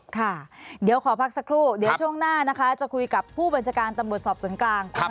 ค่ะเดี๋ยวขอพักสักครู่เดี๋ยวช่วงหน้านะคะจะคุยกับผู้บัญชาการตำรวจสอบสวนกลาง